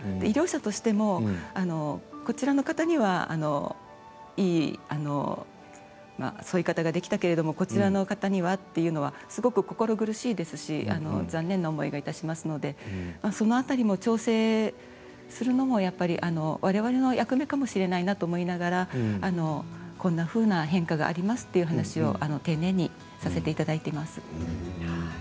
医療者としても、こちらの方にはいい添い方ができたけれどもこちらの方にはっていうのはすごく心苦しいですし残念な思いがいたしますのでその辺りも調整するのもやっぱりわれわれの役目かもしれないなと思いながらこんなふうな変化がありますっていう話を丁寧にさせていただいています。